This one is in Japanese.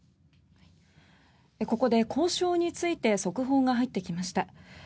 ここで交渉について速報が入ってきました。